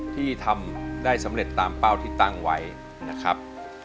ที่ทำได้สำเร็จตามเป้าที่ตั้งไว้นะครับ